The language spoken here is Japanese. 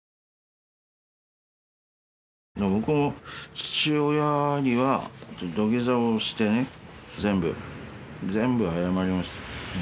僕も父親には土下座をしてね全部全部謝りました。